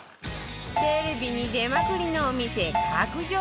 テレビに出まくりのお店角上